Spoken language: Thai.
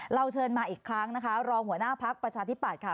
เราเชิญมาอีกครั้งนะคะรองหัวหน้าพักประชาธิปัตย์ค่ะ